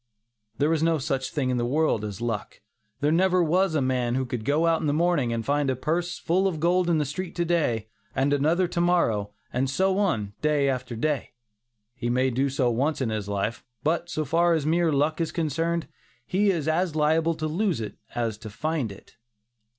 There is no such thing in the world as luck. There never was a man who could go out in the morning and find a purse full of gold in the street to day, and another to morrow, and so on, day after day. He may do so once in his life; but so far as mere luck is concerned, he is as liable to lose it as to find it.